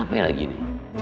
kita dari car planet itu